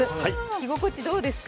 着心地、どうですか？